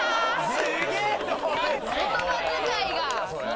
・言葉遣いが。